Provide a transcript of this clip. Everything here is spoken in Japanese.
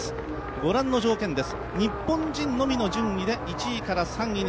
ご覧の条件です。